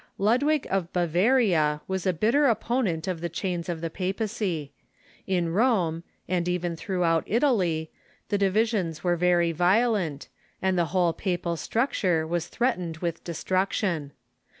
Ludwig of Bavaria Avas a bitter opponent of the claims of THE REFORMATORY COUNCILS 213 the papacy. In Rome, and even throughout Italy, the divisions were very violent, and the whole papal structure was threat „ u. r, cned with destruction.